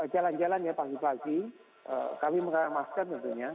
jalan jalan pagi pagi kami mengangkat masker tentunya